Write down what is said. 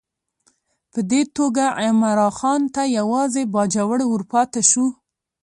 په دې توګه عمرا خان ته یوازې باجوړ ورپاته شو.